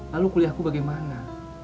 lalu kuliahku bagaimana